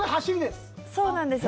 そうなんです。